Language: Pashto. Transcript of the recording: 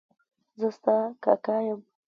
زه ستا کاکا یم.